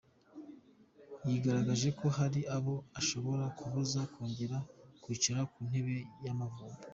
Yagaragaje ko hari abo ashobora kubuza kongera kwicara ku ntebe y’Amavubi.